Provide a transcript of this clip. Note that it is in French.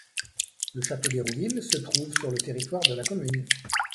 Le Château d'Hérouville se trouve sur le territoire de la commune.